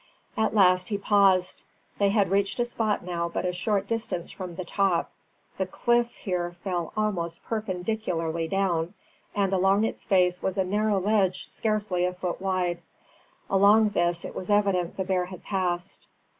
At last he paused. They had reached a spot now but a short distance from the top. The cliff here fell almost perpendicularly down, and along its face was a narrow ledge scarcely a foot wide. Along this it was evident the bear had passed.